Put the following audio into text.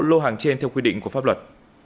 lô hàng trên theo quy định của pháp luật